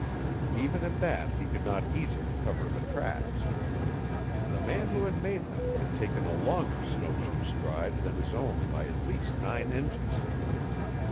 Even at that he could not easily cover the tracks. The man who had made them had taken a longer snowshoe stride than his own by at least nine inches.